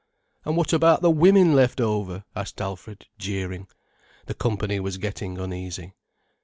"And what about the women left over?" asked Alfred, jeering. The company was getting uneasy.